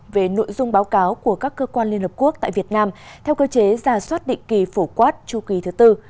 về nội dung báo cáo của các cơ quan liên hợp quốc tại việt nam theo cơ chế giả soát định kỳ phổ quát chu kỳ thứ tư